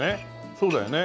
そうだよね。